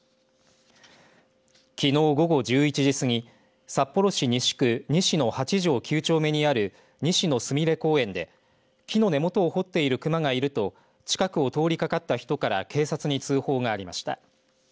きのう午後１１時過ぎ札幌市西区西野８条９丁目にある西野すみれ公園で木の根元を掘っている熊がいると近くを通りかかった人から警察に通報がありました。